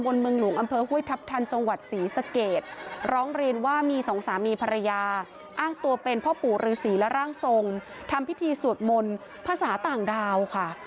คุณผู้ชมฟังออกไหมคะว่านี่คือสวดหรอมีอีกคลิปนะคะเดี๋ยวลองไปดูค่ะ